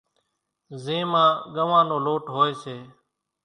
زين مان ڳوان نو لوٽ ھوئي سي،